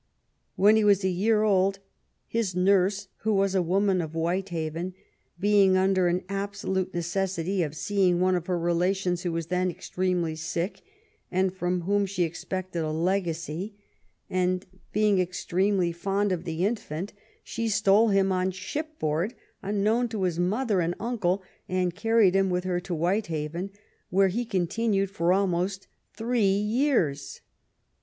When he was a year old " his nurse, who was a woman of White haven, being under an absolute necessity of seeing one of her relations who was then extremely sick, and from whom she expected a legacy, and being extreme 227 THE REION OF QUEEN ANNE I7 fond of the infant, she stole him on shiphoaid im* known to his mother and nncle and carried him with her to Whitehaven, where he continued for ahnost three years.